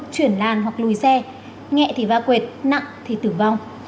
chuyển làn hoặc lùi xe nhẹ thì va quệt nặng thì tử vong